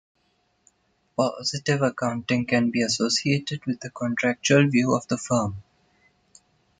Positive accounting can be associated with the contractual view of the firm.